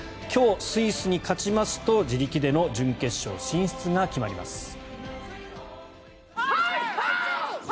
今日、スイスに勝ちますと自力での準決勝進出が決まります。